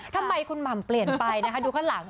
ทำไมคุณหม่ำเปลี่ยนไปนะคะดูข้างหลัง